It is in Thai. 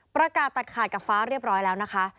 ประกาศตัดขาดกับฟ้าเรียบร้อยแล้วนะคะ